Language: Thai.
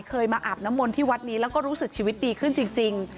เคยมาอาบน้ำมนต์ที่วัดนี้แล้วก็รู้สึกชีวิตดีขึ้นจริง